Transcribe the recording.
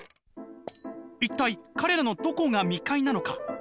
「一体彼らのどこが未開なのか？